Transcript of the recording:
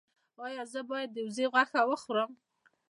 ایا زه باید د وزې غوښه وخورم؟